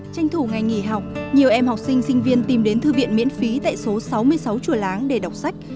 tranh thủ ngày nghỉ học nhiều em học sinh sinh viên tìm đến thư viện miễn phí tại số sáu mươi sáu chùa láng để đọc sách